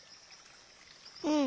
うん。